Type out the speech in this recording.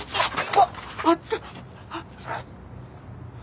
あっあった！